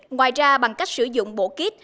ngoài ra bằng cách sử dụng bộ kít